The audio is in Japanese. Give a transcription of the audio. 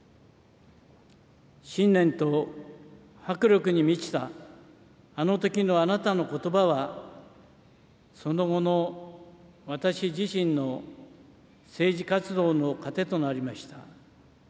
信念と迫力に満ちたあのときのあなたのことばは、その後の私自身の政治活動の糧となりました。